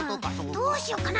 どうしようかな？